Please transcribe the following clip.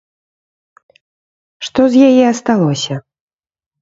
Што з яе асталося?